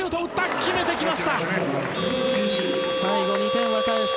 決めてきました！